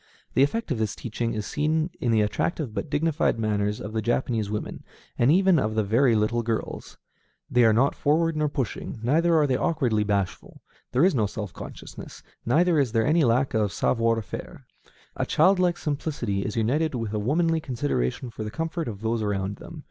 The effect of this teaching is seen in the attractive but dignified manners of the Japanese women, and even of the very little girls. They are not forward nor pushing, neither are they awkwardly bashful; there is no self consciousness, neither is there any lack of savoir faire; a childlike simplicity is united with a womanly consideration for the comfort of those around them.